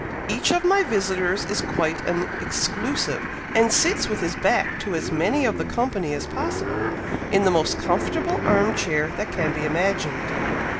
Each of my visitors is quite an exclusive, and sits with his back to as many of the company as possible, in the most comfortable arm chair that can be imagined.